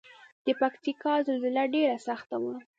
د پکتیکا زلزله ډیره سخته وه